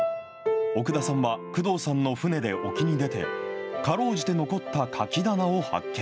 奥田さんは、工藤さんの船で沖に出て、かろうじて残ったかき棚を発見。